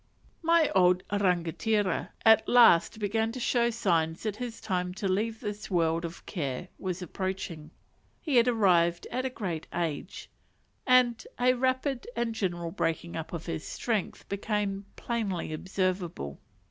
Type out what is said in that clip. My old rangatira at last began to show signs that his time to leave this world of care was approaching. He had arrived at a great age, and a rapid and general breaking up of his strength became plainly observable.